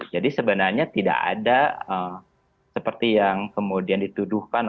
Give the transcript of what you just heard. jadi sebenarnya tidak ada seperti yang kemudian dituduhkan